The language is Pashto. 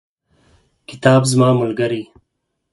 کتاب زما ملګری.